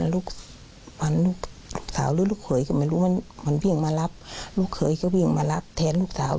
ลูกเขยก็ไม่รู้ว่ามันวิ่งมารับลูกเขยก็วิ่งมารับแท้ลูกสาว